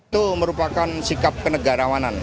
itu merupakan sikap kenegarawanan